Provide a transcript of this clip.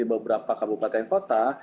di beberapa kabupaten kota